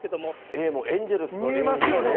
ＡもエンジェルスのＡに見えますよね。